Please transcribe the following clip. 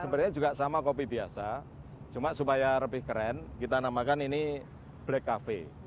sebenarnya juga sama kopi biasa cuma supaya lebih keren kita namakan ini black cafe